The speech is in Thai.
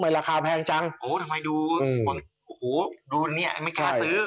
ราคาแพงจังโอ้ทำไมดูคนโอ้โหดูเนี่ยไม่กล้าซื้อ